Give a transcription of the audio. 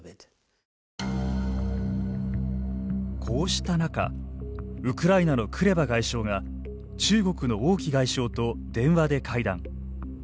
こうした中ウクライナのクレバ外相が中国の王毅外相と電話で会談。